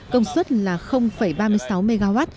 công suất là ba mươi sáu mw